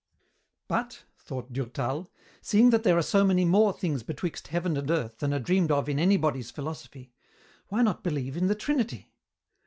"But," thought Durtal, "seeing that there are so many more things betwixt heaven and earth than are dreamed of in anybody's philosophy, why not believe in the Trinity?